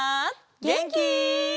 げんき？